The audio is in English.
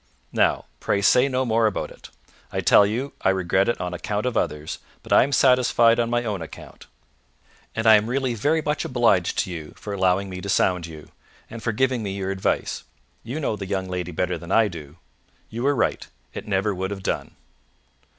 Now, pray say no more about it. I tell you, I regret it on account of others, but I am satisfied on my own account. And I am really very much obliged to you for allowing me to sound you, and for giving me your advice; you know the young lady better than I do; you were right, it never would have done."